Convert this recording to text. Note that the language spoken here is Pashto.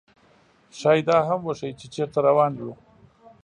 ښايي دا هم وښيي، چې چېرته روان یو.